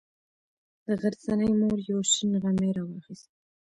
د غرڅنۍ مور یو شین غمی راواخیست.